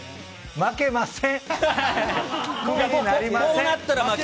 負けません。